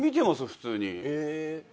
普通に。